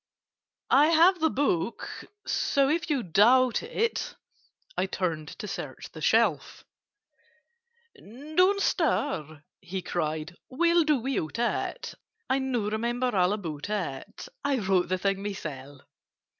"I have the book; so if you doubt it—" I turned to search the shelf. "Don't stir!" he cried. "We'll do without it: I now remember all about it; I wrote the thing myself.